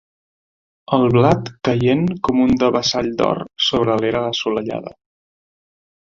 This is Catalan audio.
El blat caient com un devessall d'or sobre de l'era assolellada